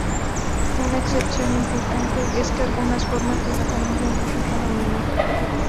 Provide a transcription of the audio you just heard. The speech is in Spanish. Una excepción importante es que algunas formas de la familia lógica dominó.